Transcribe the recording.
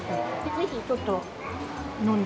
ぜひちょっと飲んで。